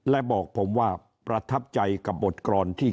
และบอกผมว่าประทับใจกับบทกรอนที่